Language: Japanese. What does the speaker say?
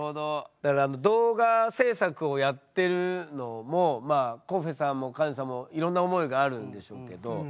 だからあの動画制作をやってるのもまあコッフェさんもカネさんもいろんな思いがあるんでしょうけど。